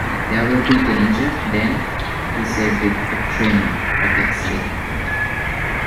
"There will be danger, then?" he said, with a tremor of excitement.